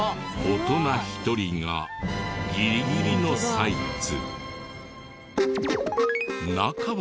大人１人がギリギリのサイズ。